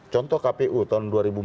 contoh kpu tahun dua ribu empat belas